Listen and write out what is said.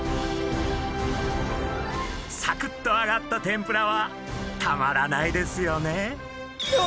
サクッとあがった天ぷらはたまらないですよね。